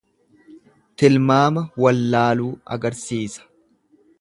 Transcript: Tilmaama wallaaluu agarsiisa.